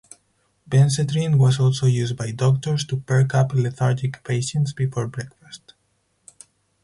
Benzedrine was also used by doctors to perk up lethargic patients before breakfast.